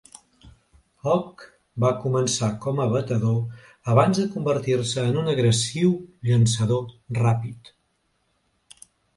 Hogg va començar com a batedor abans de convertir-se en un agressiu llançador ràpid.